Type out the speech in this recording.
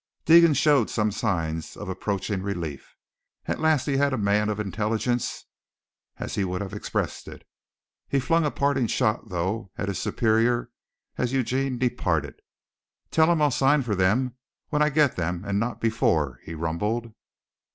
Deegan showed some signs of approaching relief. At last he had a man of "intilligence," as he would have expressed it. He flung a parting shot though at his superior as Eugene departed. "Tell thim I'll sign fer thim when I git thim and naat before!" he rumbled.